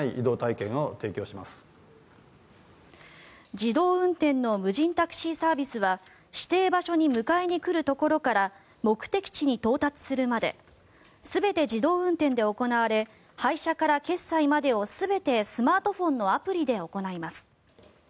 自動運転の無人タクシーサービスは指定場所に迎えに来るところから目的地に到達するまで全て自動運転で行われ配車から決済までを全てスマートフォンのアプリで行います。